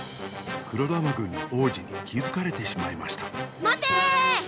黒玉軍の王子にきづかれてしまいましたまてーー！